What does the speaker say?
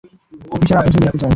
Officer আপনার সাথে দেখতে চায়।